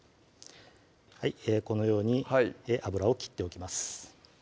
このように油を切っておきます